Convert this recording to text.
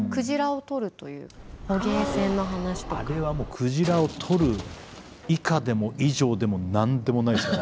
あれはもう鯨を獲る以下でも以上でも何でもないですから。